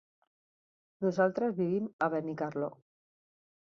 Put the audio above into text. Nosaltres vivim a Benicarló.